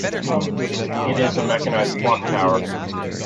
It is a mechanized clock tower.